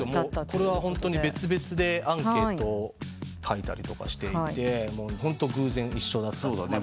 これはホントに別々でアンケートを書いたりしていてホント偶然一緒だったという。